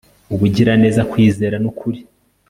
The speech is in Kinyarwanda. ubugiraneza, kwizera, nukuri